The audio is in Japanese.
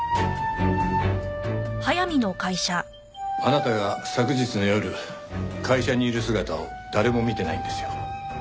あなたが昨日の夜会社にいる姿を誰も見てないんですよ。